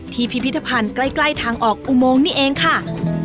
พิพิธภัณฑ์ใกล้ทางออกอุโมงนี่เองค่ะ